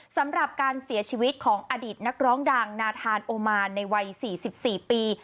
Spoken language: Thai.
สำหรับการเสียชีวิตของอดีตนักร้องดังนาธานโอมานในวัย๔๔ปี